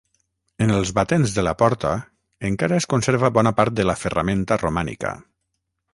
En els batents de la porta encara es conserva bona part de la ferramenta romànica.